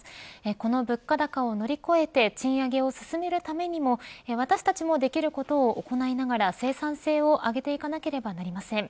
この物価高を乗り越えて賃上げを進めるためにも私たちもできることを行いながら生産性を上げていかなければなりません。